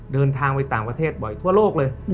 เดินทางไปต่างประเทศบ่อยทั่วโลกเลย